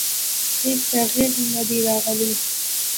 هېڅ تغییر نه دی راغلی.